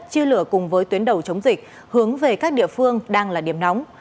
chia lửa cùng với tuyến đầu chống dịch hướng về các địa phương đang là điểm nóng